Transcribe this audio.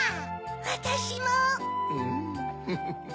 わたしも！